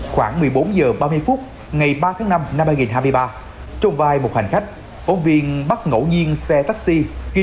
khoảng một mươi bốn h ba mươi phút ngày ba tháng năm năm hai nghìn hai mươi ba trong vai một hành khách phóng viên bắt ngẫu nhiên xe taxi